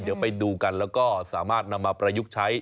เดี๋ยวไปดูกันแล้วก็สามารถนำมาประยุกต์ใช้